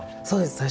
そうです。